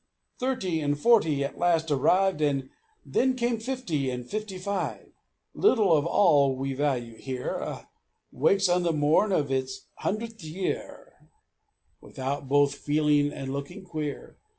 Thirty and forty at last arrived, And then come fifty, and FIFTY FIVE. Little of all we value here Wakes on the morn of its hundredth year Without both feeling and looking queer.